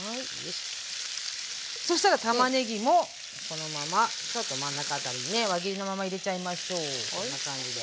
そしたらたまねぎもこのままちょっと真ん中辺りにね輪切りのまま入れちゃいましょうこんな感じで。